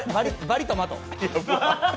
バリトマト。